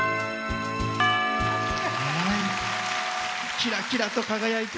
キラキラと輝いて。